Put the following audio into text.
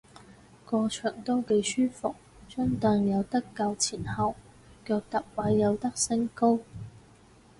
個場都幾舒服，張櫈有得較前後，腳踏位有得升高